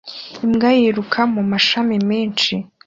Imbwa yiruka mumashami menshi